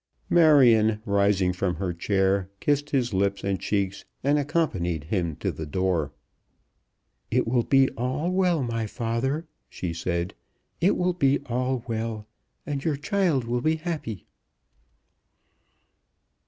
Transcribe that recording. Marion, rising from her chair, kissed his lips and cheeks, and accompanied him to the door. "It will be all well, my father," she said; "it will be all well, and your child will be happy."